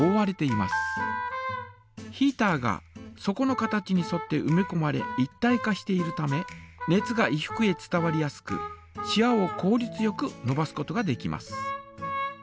ヒータが底の形にそってうめこまれ一体化しているため熱が衣服へ伝わりやすくしわをこうりつよくのばすことができます。